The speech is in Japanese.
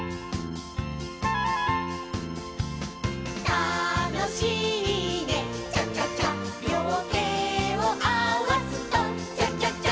「たのしいねチャチャチャ」「両手を合わすとチャチャチャ」